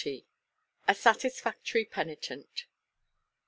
_" XL. "A Satisfactory Penitent."